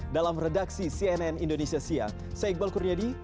dalam redaksi cnn indonesia siang saya iqbal kurnia di